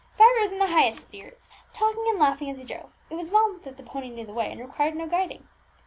Vibert was in the highest spirits, talking and laughing as he drove. It was well that the pony knew the way, and required no guiding.